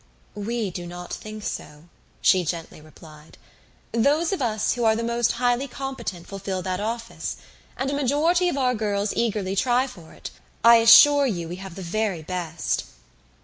"We do not think so," she gently replied. "Those of us who are the most highly competent fulfill that office; and a majority of our girls eagerly try for it I assure you we have the very best."